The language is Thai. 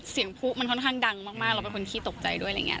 เสียงภูมิมันค่อนข้างดังมากเราเป็นคนที่ตกใจด้วยอะไรแบบนี้